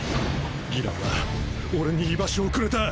義爛は俺に居場所をくれた！